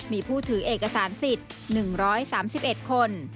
มีผู้ถือเอกสารสิทธิ์๑๓๑คน